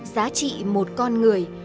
giá trị một con người